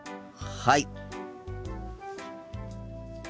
はい。